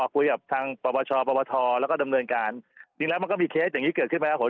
คุยกับทางปปชปทแล้วก็ดำเนินการจริงแล้วมันก็มีเคสอย่างนี้เกิดขึ้นไปแล้วผล